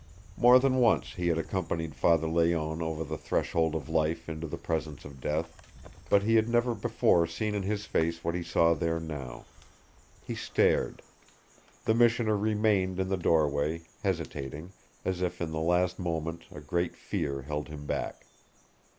More than once he had accompanied Father Layonne over the threshold of life into the presence of death, but he had never before seen in his face what he saw there now. He stared. The missioner remained in the doorway, hesitating, as if at the last moment a great fear held him back.